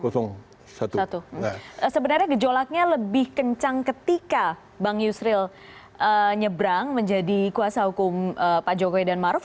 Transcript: sebenarnya gejolaknya lebih kencang ketika bang yusril nyebrang menjadi kuasa hukum pak jokowi dan maruf